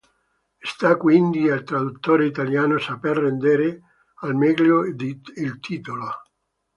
Sta quindi al traduttore italiano saper rendere al meglio il titolo.